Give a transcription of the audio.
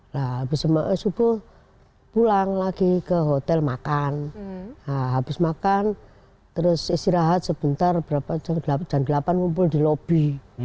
nah habis subuh pulang lagi ke hotel makan habis makan terus istirahat sebentar jam delapan ngumpul di lobi